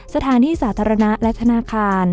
สถานที่ศาสตร์ธรรณะและธนาคาร